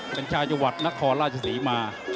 เป็นชาวจังหวัดนครราชศรีมา